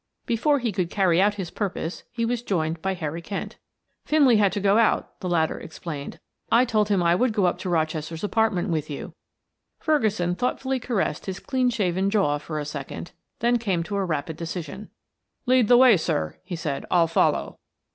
Before he could carry out his purpose he was joined by Harry Kent. "Finley had to go out," the latter explained. "I told him I would go up to Rochester's apartment with you." Ferguson thoughtfully caressed his clean shaven jaw for a second, then came to a rapid decision. "Lead the way, sir," he said. "I'll follow."